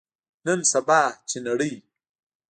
نن سبا، چې نړۍ